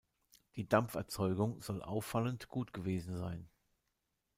Die Dampferzeugung soll auffallend gut gewesen sein.